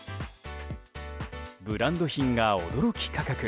ブランド品が驚き価格。